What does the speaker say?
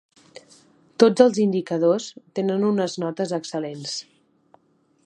Tots els indicadors tenen unes notes excel·lents.